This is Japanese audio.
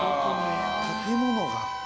建物が。